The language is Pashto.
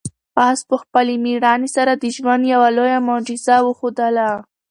آس په خپلې مېړانې سره د ژوند یوه لویه معجزه وښودله.